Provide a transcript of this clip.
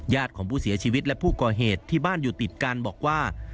ของผู้เสียชีวิตและผู้ก่อเหตุที่บ้านอยู่ติดกันบอกว่า